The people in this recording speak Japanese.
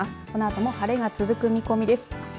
このあとも晴れが続く見込みです。